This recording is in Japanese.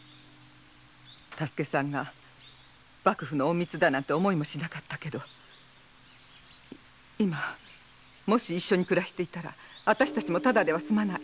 多助さんが幕府の隠密だなんて思いもしなかったけど今もし一緒に暮らしていたら私たちもただでは済まない。